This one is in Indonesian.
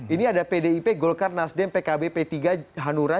ini ada pdip golkar nasdem pkb p tiga hanura